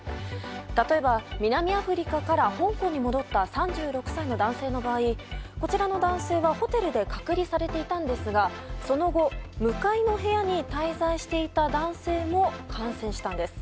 例えば、南アフリカから香港に戻った３６歳の男性の場合こちらの男性は、ホテルで隔離されていたんですがその後、向かいの部屋に滞在していた男性も感染したんです。